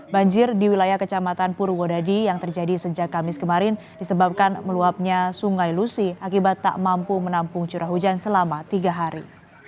banjir di wilayah kecamatan purwodadi yang terjadi sejak kamis kemarin disebabkan meluapnya sungai lusi akibat tak mampu menampung curah hujan selama tiga hari